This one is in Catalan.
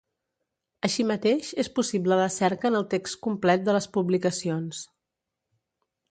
Així mateix, és possible la cerca en el text complet de les publicacions.